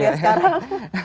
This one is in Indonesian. iya sembilan belas sekarang